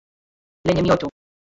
Lenye mioto.